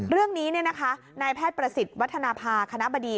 เรื่องนี้นายแพทย์ประสิทธิ์วัฒนภาคณะบดี